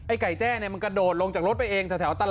ไอ้ไก่แจ้มันกระโดดลงจากรถไปเอง